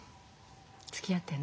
つきあってんの？